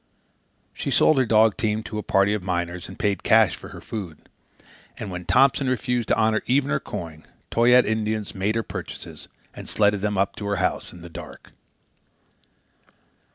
She sold her dog team to a party of miners and paid cash for her food. And when Thompson refused to honour even her coin, Toyaat Indians made her purchases, and sledded them up to her house in the dark.